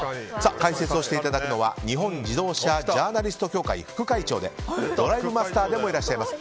解説をしていただくのは日本自動車ジャーナリスト協会副会長でドライブマスターでもいらっしゃいます